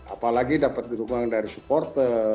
apalagi dapat dukungan dari supporter